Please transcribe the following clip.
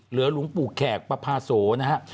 เหลือหลวงปู่แขกปภาโสนะฮะ